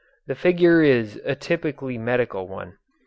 The figure is a typically medical one.